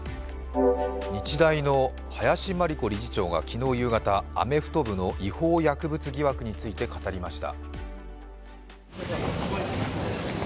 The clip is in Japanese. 日大の林真理子理事長が昨日夕方、アメフト部の違法薬物疑惑について語りました。